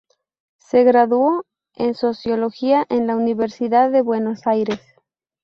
Se graduó en sociología en la Universidad de Buenos Aires.